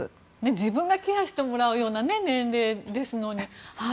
自分がケアしてもらうような年齢ですのに。